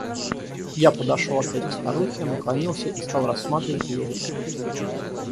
Я подошел опять к старухе, наклонился и стал рассматривать ее лицо.